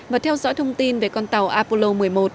và theo dõi thông tin về con tàu apollo một mươi một